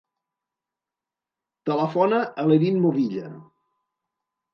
Telefona a l'Erin Movilla.